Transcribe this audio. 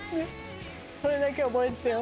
それだけは覚えててよ。